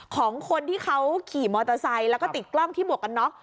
ของคนที่เขาขี่มอเตอร์ไซค์แล้วก็ติดกล้องที่หมวกกันน็อก